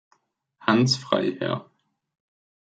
Hans Frhr.